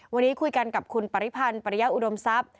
วันนี้คุยกันกับคุณปริพันธ์ปริยะอุดมทรัพย์